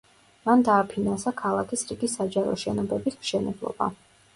მან დააფინანსა ქალაქის რიგი საჯარო შენობების მშენებლობა.